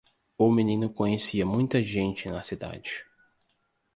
O menino conhecia muita gente na cidade.